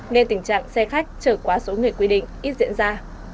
nên tình trạng xe khách trở quá số người quy định ít diễn ra